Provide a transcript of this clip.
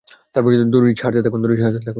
দড়ি ছাড়তে থাকুন!